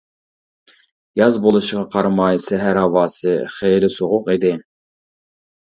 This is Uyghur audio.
ياز بولۇشىغا قارىماي سەھەر ھاۋاسى خېلى سوغۇق ئىدى.